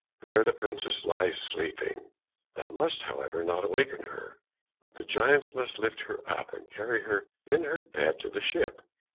There the princess lies sleeping; thou must, however, not awaken her, but the giants must lift her up, and carry her in her bed to the ship."